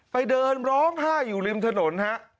เดินร้องไห้อยู่ริมถนนฮะ